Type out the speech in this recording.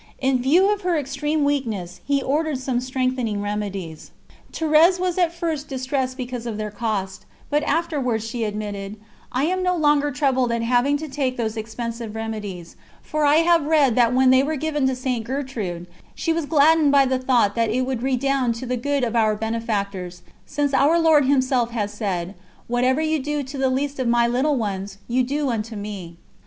In view of her extreme weakness, he ordered some strengthening remedies. Thérèse was at first distressed because of their cost, but she afterwards admitted: "I am no longer troubled at having to take those expensive remedies, for I have read that when they were given to St. Gertrude, she was gladdened by the thought that it would redound to the good of our benefactors, since Our Lord Himself has said: 'Whatever you do to the least of My little ones, you do unto Me.'"